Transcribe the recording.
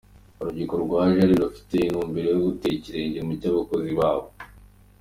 Urubyiruko rwa Jari rufite intumbero yo gutera ikirenge mu cy’abayobozi babo